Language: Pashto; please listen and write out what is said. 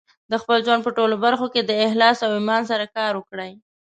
د خپل ژوند په ټولو برخو کې د اخلاص او ایمان سره کار وکړئ.